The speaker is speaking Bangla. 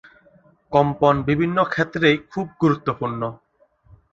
কম্পন বিভিন্ন ক্ষেত্রেই খুব গুরুত্বপূর্ণ।